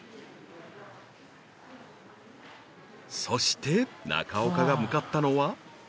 ［そして中岡が向かったのは］